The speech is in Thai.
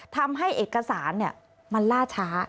ทำให้เอกสารมันล่าช้า